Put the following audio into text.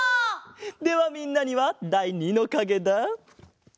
ではみんなにはだい２のかげだ。